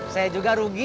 saya juga rugi